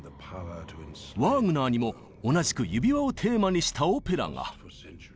ワーグナーにも同じく「指輪」をテーマにしたオペラが。